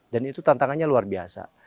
itu tantangannya luar biasa